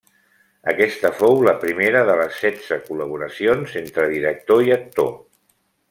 Aquesta fou la primera de les setze col·laboracions entre director i actor.